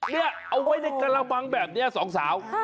เนี่ยเอาไว้ในกระมังแบบนี้สองสาว